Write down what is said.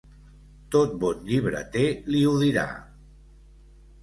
Tot bon llibreter li ho dirà.